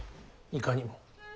いかにも。